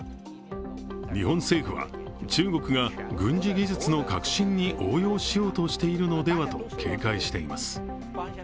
日本政府は中国が軍事技術の革新に応用しようとしているのではと警戒しています。